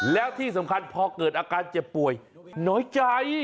แล้วที่สำคัญพอเกิดอาการเจ็บป่วยน้อยใจ